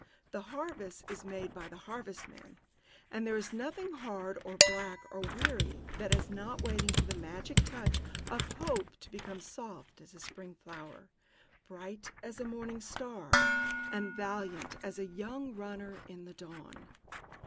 The harvest is made by the harvestman and there is nothing hard or black or weary that is not waiting for the magic touch of hope to become soft as a spring flower, bright as the morning star, and valiant as a young runner in the dawn."